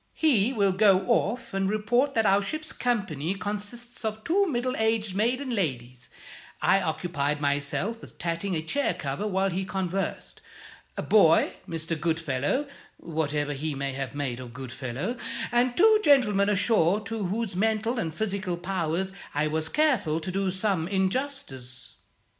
He will go off and report that our ship's company consists of two middle aged maiden ladies (I occupied myself with tatting a chair cover while he conversed); a boy; Mr. Goodfellow (whatever he may have made of Goodfellow); and two gentlemen ashore to whose mental and physical powers I was careful to do some injustice.